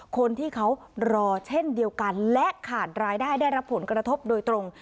คนที่เขารอเช่นเดียวกันและขาดรายได้ได้รับผลกระทบโดยตรง